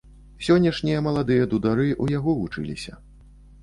Сённяшнія маладыя дудары ў яго вучыліся.